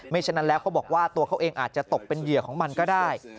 ฉะนั้นแล้วเขาบอกว่าตัวเขาเองอาจจะตกเป็นเหยื่อของมันก็ได้